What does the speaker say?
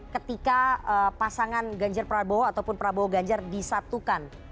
ketika pasangan ganjar prabowo ataupun prabowo ganjar disatukan